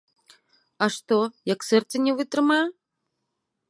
А што, як сэрца не вытрымае?